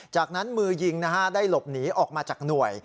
จากนั้นมือยิงได้หลบหนีออกมาจากหน่วย